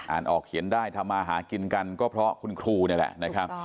ออกเขียนได้ทำมาหากินกันก็เพราะคุณครูนี่แหละนะครับ